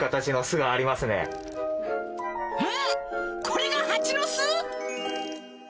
これがハチの巣？